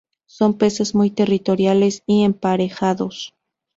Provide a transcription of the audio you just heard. Son peces muy territoriales y emparejados.